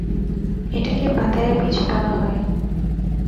এটাকে Pattaya beach বলা হয়।